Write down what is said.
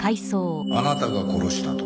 あなたが殺したと。